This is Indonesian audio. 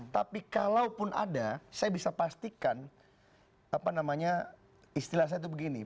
tapi kalaupun ada saya bisa pastikan apa namanya istilah saya itu begini